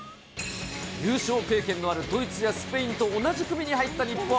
優勝経験のあるドイツやスペインと同じ組に入った日本。